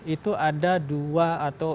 itu ada dua atau